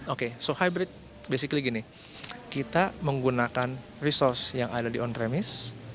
oke jadi hybrid pada dasarnya begini kita menggunakan sumber yang ada di on premise